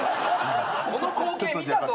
この光景見たぞおい。